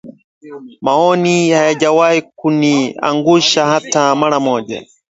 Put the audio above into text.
Maono hayajawahi kuniangusha hata mara moja